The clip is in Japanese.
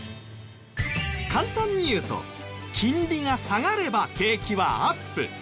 簡単に言うと金利が下がれば景気はアップ。